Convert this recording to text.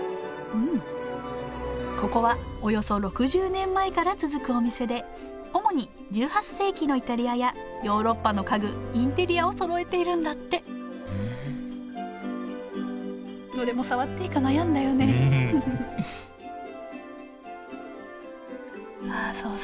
ここはおよそ６０年前から続くお店で主に１８世紀のイタリアやヨーロッパの家具インテリアをそろえているんだってどれも触っていいか悩んだよねうんああそうそう。